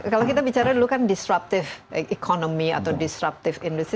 kalau kita bicara dulu kan disruptive economy atau disruptive industry